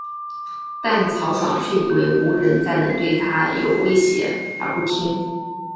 但曹爽却以为无人再能对他有威胁而不听。